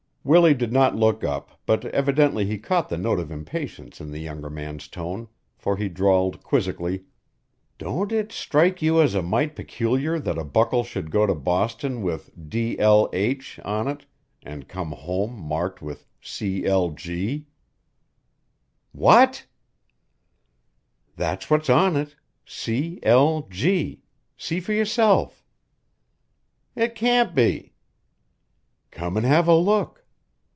Willie did not look up but evidently he caught the note of impatience in the younger man's tone, for he drawled quizzically: "Don't it strike you as a mite peculiar that a buckle should go to Boston with D. L. H. on it an' come home marked C. L. G.?" "What!" "That's what's on it C. L. G. See for yourself." "It can't be." "Come an' have a look."